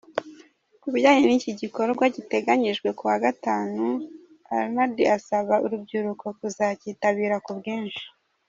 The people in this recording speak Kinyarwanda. Ku bijyanye n’iki gikorwa giteganyijwe kuwa gatanu, Arnaud asaba urubyiruko kuzakitabira ku bwinshi.